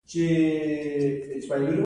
څلور څلویښتم سوال د ستراتیژۍ په اړه دی.